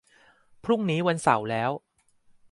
พรุ่งนี้วันเสาร์แล้ว